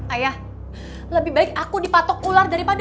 ayah lebih baik aku dipatok ular daripada